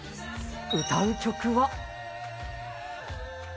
歌う曲は。